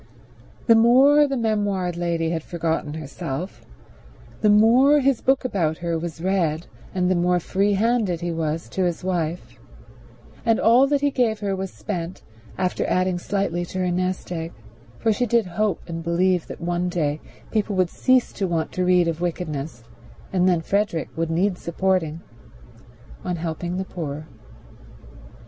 The more the memoired lady had forgotten herself, the more his book about her was read and the more free handed he was to his wife; and all that he gave her was spent, after adding slightly to her nest egg—for she did hope and believe that some day people would cease to want to read of wickedness, and then Frederick would need supporting—on helping the poor.